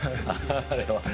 あれは。